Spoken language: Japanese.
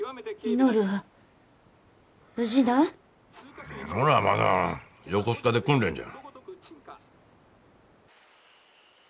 稔はまだ横須賀で訓練じゃ。